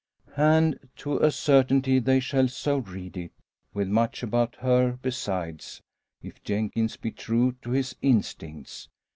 And to a certainty they shall so read it, with much about her besides, if Jenkins be true to his instincts.